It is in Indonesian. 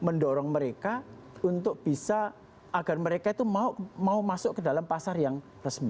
mendorong mereka untuk bisa agar mereka itu mau masuk ke dalam pasar yang resmi